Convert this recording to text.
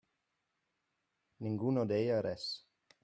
Ningú no deia res.